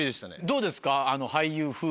どうですか？